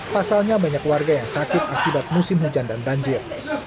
pasalnya banyak warga yang sakit akibat musim hujan dan banjir